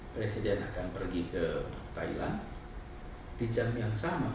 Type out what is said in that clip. presiden akan pergi ke thailand di jam yang sama